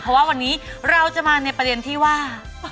เพราะว่าวันนี้เราจะมาในประเด็นที่ว่า